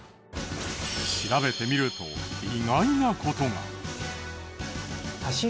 調べてみると意外な事が。